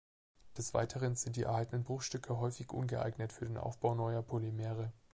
Des Weiteren sind die erhaltenen Bruchstücke häufig ungeeignet für den Aufbau neuer Polymere.